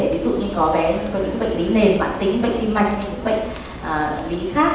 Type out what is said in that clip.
ví dụ như có bé có những bệnh lý nền mạng tính bệnh tim mạch hay những bệnh lý khác